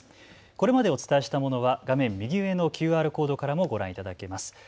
これまでお伝えしたものは画面右上のＱＲコードからもご覧いただけます。